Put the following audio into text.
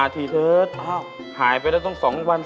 คือเค้าจับได้